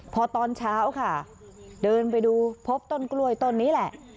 พอตอนเช้าค่ะเดินไปดูพบต้นกล้วยต้นนี้แหละ